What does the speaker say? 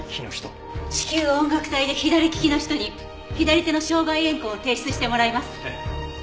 至急音楽隊で左利きの人に左手の掌外沿痕を提出してもらいます。